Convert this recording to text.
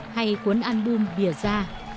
hay cuốn album bìa ra